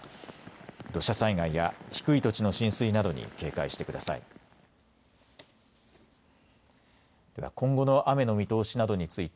土砂災害や低い土地の浸水などに警戒してください。